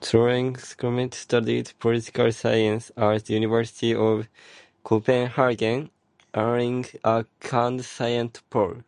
Thorning-Schmidt studied political science at University of Copenhagen, earning a cand.scient.pol.